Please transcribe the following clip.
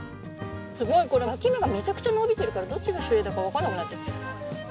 すごいこれ脇目がめちゃくちゃ伸びてるからどっちが主枝かわかんなくなって。